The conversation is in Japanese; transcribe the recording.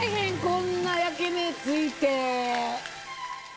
こんな焼き目ついて。